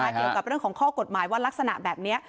เกี่ยวกับเรื่องของข้อกฎหมายว่ารักษณะแบบนี้